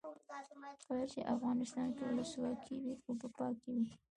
کله چې افغانستان کې ولسواکي وي اوبه پاکې وي.